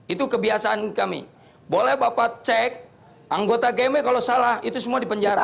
itu kebiasaan kami boleh bapak cek anggota gme kalau salah itu semua dipenjarakan